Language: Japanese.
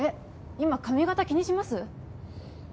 今髪形気にします？